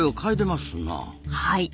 はい。